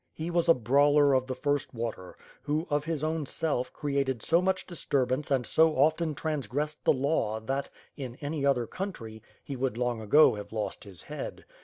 lie waa a brawler of the first water, who, of his own self, created so much disturb ance and so often transgressed the law that, in any other country, he would long ago have lost his head.